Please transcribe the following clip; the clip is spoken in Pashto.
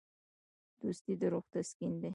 دوستي د روح تسکین دی.